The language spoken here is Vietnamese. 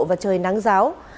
và trời nắng giáo